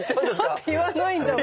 だって言わないんだもん。